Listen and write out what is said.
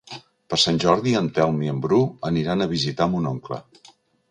Per Sant Jordi en Telm i en Bru aniran a visitar mon oncle.